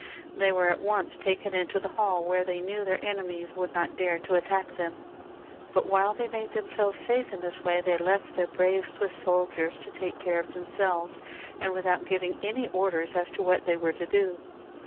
They were at once taken into the hall, where they knew their enemies would not dare to attack them. But while they made themselves safe in this way, they left their brave Swiss soldiers to take care of themselves, 2d 402 . THE RE VOL UTION, [CH. and without giving any orders as to what they were to do.